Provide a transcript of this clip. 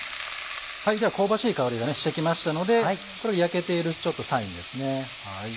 では香ばしい香りがして来ましたのでこれは焼けているちょっとサインですね。